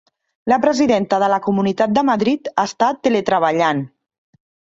La presidenta de la Comunitat de Madrid està teletreballant